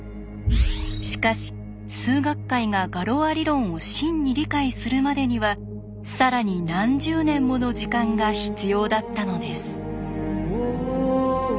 しかし数学界がガロア理論を真に理解するまでには更に何十年もの時間が必要だったのです。